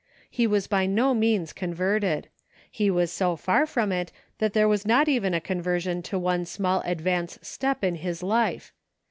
He was by no means converted ; he was so far from it that there was not even a conversion to one small advance step in his life.